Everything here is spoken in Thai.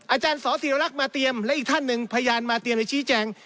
อาจารย์สอศิลักษ์มาเตรียมและอีกท่านหนึ่งพยานมาเตรียมจะชี้แจง